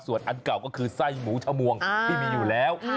ส่วนอันเก่าก็คือไส้หมูชะมวงที่มีอยู่แล้ว